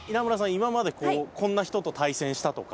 今までこうこんな人と対戦したとか。